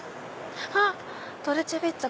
あっドルチェピッツァ